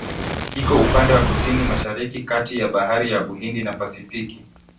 Iko upande wa Kusini-Mashariki kati ya Bahari ya Uhindi na Pasifiki.